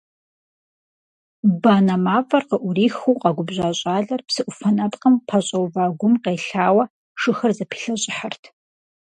Банэ мафӀэр къыӀурихыу къэгубжьа щӀалэр псыӀуфэ нэпкъым пэщӀэува гум къелъауэ, шыхэр зэпилъэщӀыхьырт.